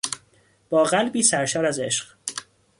با قلبی سرشار از عشق